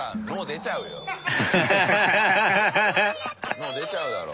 脳出ちゃうだろ。